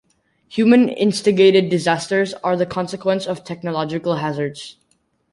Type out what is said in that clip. Human-instigated disasters are the consequence of technological hazards.